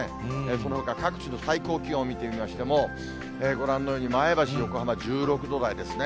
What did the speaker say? そのほか各地の最高気温を見てみましても、ご覧のように、前橋、横浜１６度台ですね。